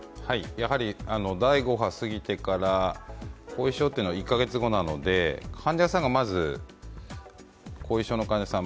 第５波過ぎてから後遺症というのは１カ月後なので、まず後遺症の患者さん